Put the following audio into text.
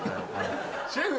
シェフ！